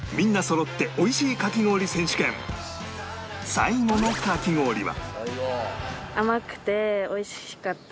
最後のかき氷は